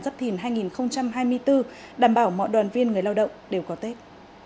giáp thìn hai nghìn hai mươi bốn đảm bảo mọi đoàn viên người lao động đều có tết